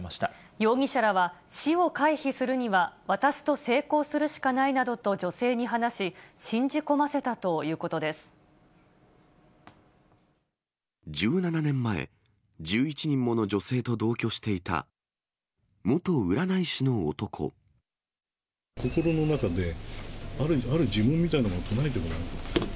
容疑者らは、死を回避するには、私と性交するしかないなどと女性に話し、１７年前、１１人もの女性と同居していた、心の中で、ある呪文みたいなのを唱えてごらん。